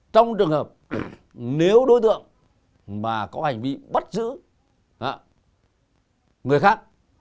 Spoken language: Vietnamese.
trong trường hợp nếu đối tượng mà có hành vi bắt giữ người khác